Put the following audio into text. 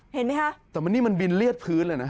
เห็นไหมคะแต่มันนี่มันบินเลือดพื้นเลยนะ